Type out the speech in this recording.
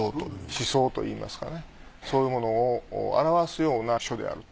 思想といいますかねそういうものを表すような書である。